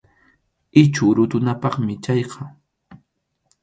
Ichhu rutunapaqmi chayqa.